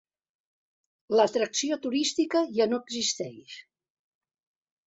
L"atracció turística ja no existeix.